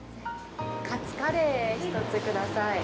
勝つカレー１つください。